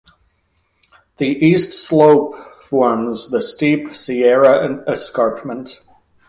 The east slope forms the steep Sierra Escarpment.